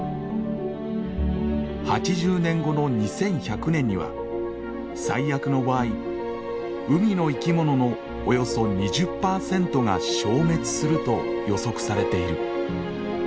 ８０年後の２１００年には最悪の場合海の生き物のおよそ２０％が消滅すると予測されている。